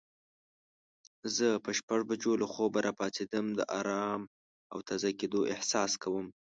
زه په شپږ بجو له خوبه پاڅیدم د آرام او تازه کیدو احساس کوم.